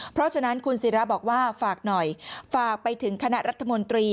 เพราะฉะนั้นคุณศิราบอกว่าฝากหน่อยฝากไปถึงคณะรัฐมนตรี